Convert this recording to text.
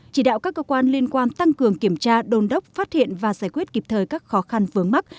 chỉ đạo các cơ quan liên quan tăng cường kiểm tra đôn đốc phát hiện và giải quyết kịp thời các khó khăn vướng mắt